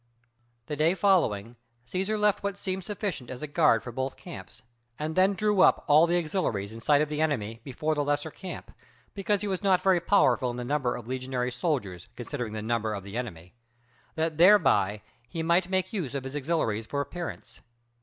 The day following, Cæsar left what seemed sufficient as a guard for both camps; and then drew up all the auxiliaries in sight of the enemy, before the lesser camp, because he was not very powerful in the number of legionary soldiers, considering the number of the enemy; that thereby he might make use of his auxiliaries for appearance.